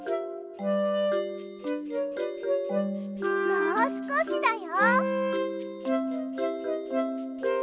もうすこしだよ！